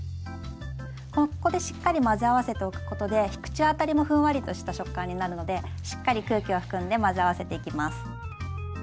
ここでしっかり混ぜ合わせておくことで口当たりもふんわりとした食感になるのでしっかり空気を含んで混ぜ合わせていきます。